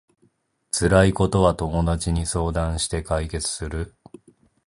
辛いことは友達に相談して解決する